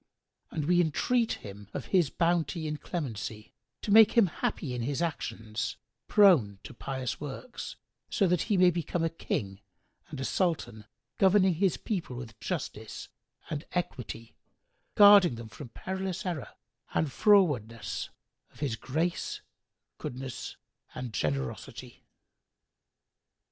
And we entreat him, of His bounty and clemency, to make him happy in his actions, prone to pious works, so he may become a King and a Sultan governing his people with justice and equity, guarding them from perilous error and frowardness, of His grace, goodness and generosity!"